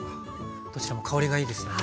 どちらも香りがいいですよね。